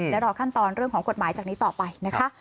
ระหว่างขั้นตอนเรื่องของกฎหมายต่อไป